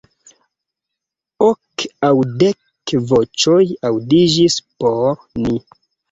Ok aŭ dek voĉoj aŭdiĝis por ni.